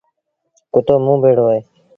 ڪتو موݩ بيڙو اهي